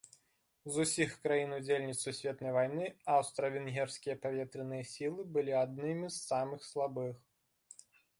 З усіх краін-удзельніц сусветнай вайны аўстра-венгерскія паветраныя сілы былі аднымі з самых слабых.